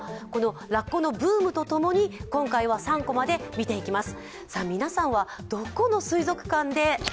ラッコのブームとともに今回は３コマで見ていきます。